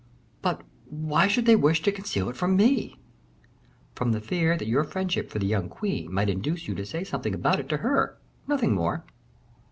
"But why should they wish to conceal it from me?" "From the fear that your friendship for the young queen might induce you to say something about it to her, nothing more."